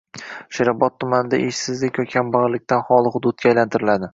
Sherobod tumani ishsizlik va kambag‘allikdan xoli hududga aylantiriladi